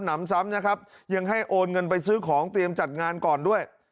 นำซ้ำนะครับยังให้โอนเงินไปซื้อของเตรียมจัดงานก่อนด้วย